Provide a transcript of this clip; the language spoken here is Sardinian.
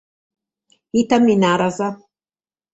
Ite mi naras?